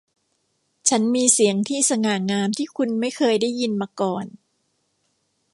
ฉันมีเสียงที่สง่างามที่คุณไม่เคยได้ยินมาก่อน